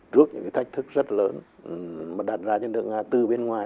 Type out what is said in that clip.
trước những thách thức rất lớn mà đạt ra cho nước nga từ bên ngoài